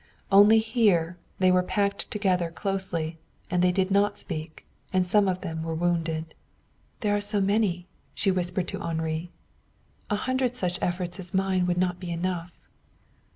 Only here they were packed together closely, and they did not speak, and some of them were wounded. "There are so many!" she whispered to Henri. "A hundred such efforts as mine would not be enough."